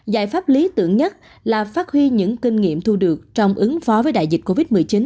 giải pháp lý tưởng nhất là phát huy những kinh nghiệm thu được trong ứng phó với đại dịch covid một mươi chín